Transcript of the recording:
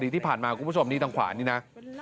สบัดีที่ผ่านมาคุณผู้ชมทางขวานี่นะ